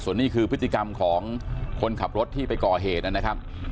ส่วนนี้คือพฤติกรรมของคนขับรถที่ไปก่อเหตุนะครับ